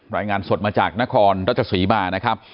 รายงานสดมาจากนครรัชศรีมานะครับ